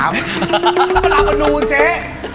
รอบอาบนูนเจ๊